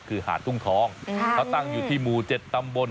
คือหาดทุ่งทองเขาตั้งอยู่ที่หมู่๗ตำบล